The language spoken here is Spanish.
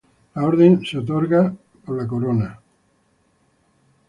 La Orden es otorgada por la corona.